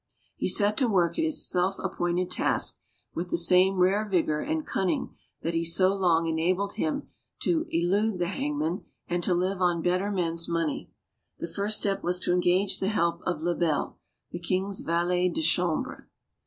He set to work at his self appointed task with the s; one rare vigor and cunning that had so long enabled h.m to elude the hangman and to live on better men's money. The first step was to engage the help of Lebel, t ie king's valet de chambre.